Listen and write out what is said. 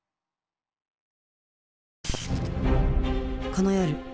この夜魔